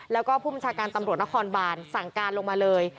แล้วก็ผู้บัญชาการตำรวจนครบานสั่งการลงมาเลย